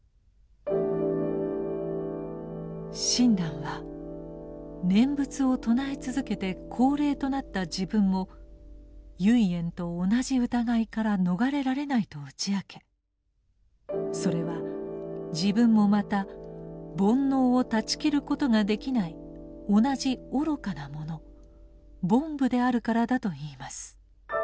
親鸞は念仏を称え続けて高齢となった自分も唯円と同じ疑いから逃れられないと打ち明けそれは自分もまた煩悩を断ち切ることができない同じ愚かな者「凡夫」であるからだと言います。